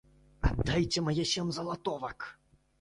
Аддайце мае сем залатовак!